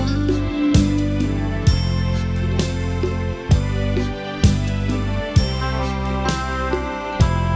เพียงกันที่นึกเรียนบนกลัว